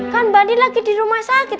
kan bali lagi di rumah sakit